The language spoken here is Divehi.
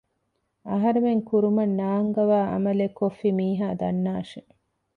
އަހަރެމެން ކުރުމަށް ނާންގަވާ ޢަމަލެއް ކޮށްފި މީހާ ދަންނާށޭ